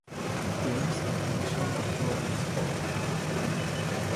Games international technology spol.